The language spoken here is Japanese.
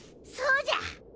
そうじゃ！